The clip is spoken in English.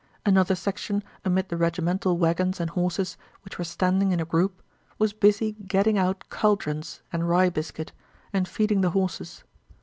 Another section amid the regimental wagons and horses which were standing in a group was busy getting out caldrons and rye biscuit, and feeding the horses.